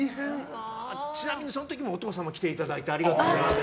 ちなみに、その時もお父様来ていただいてありがとうございました。